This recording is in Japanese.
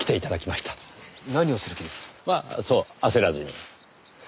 まあそう焦らずに。